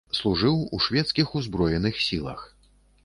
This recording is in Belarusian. Служыў у шведскіх узброеных сілах.